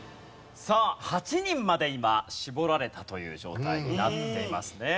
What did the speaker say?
さあ８人まで今絞られたという状態になっていますね。